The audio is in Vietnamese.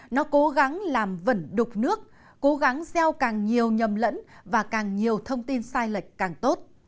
nó cố gắng làm vẩn đục nước cố gắng gieo càng nhiều nhầm lẫn và càng nhiều thông tin sai lệch càng tốt